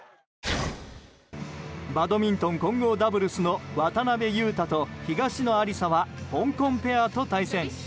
バドミントン混合ダブルスの渡辺勇大と東野有紗は香港ペアと対戦。